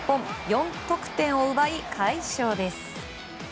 ４得点を奪い、快勝です。